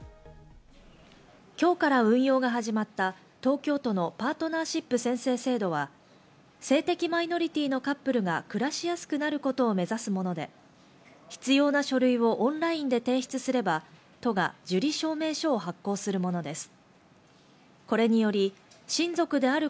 今日から運用が始まった東京都のパートナーシップ宣誓制度は性的マイノリティーのカップルが暮らしやすくなることを目指すもので、必要な書類をオンラインで提出すれば都が受理証明書を発行するものです。